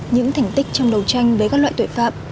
những thành tích trong đấu tranh với các loại tội phạm